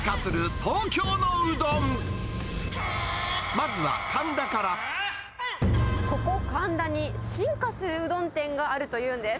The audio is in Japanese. まずここ、神田に進化するうどん店があるというんです。